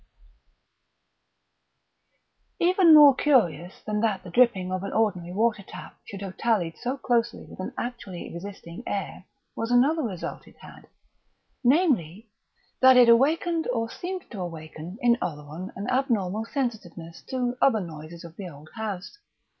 V Even more curious than that the commonplace dripping of an ordinary water tap should have tallied so closely with an actually existing air was another result it had, namely, that it awakened, or seemed to awaken, in Oleron an abnormal sensitiveness to other noises of the old house.